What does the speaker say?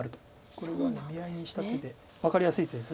これは見合いにした手で分かりやすい手です